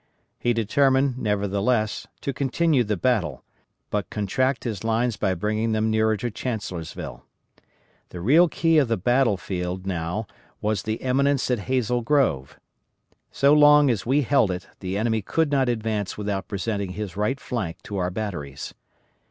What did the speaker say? He determined, nevertheless, to continue the battle, but contract his lines by bringing them nearer to Chancellorsville. The real key of the battle field now was the eminence at Hazel Grove. So long as we held it the enemy could not advance without presenting his right flank to our batteries.